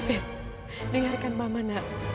afif dengarkan mama nak